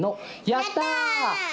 やった！